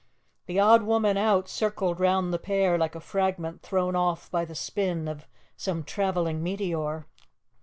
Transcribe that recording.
The odd woman out circled round the pair like a fragment thrown off by the spin of some travelling meteor.